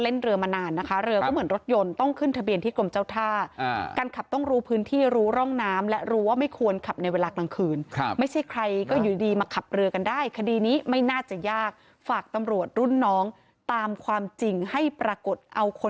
เพราะฉะนั้นน้ำไม่ลึกหรอกครับ